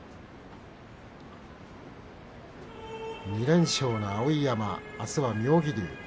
２連勝の碧山、あすは妙義龍と。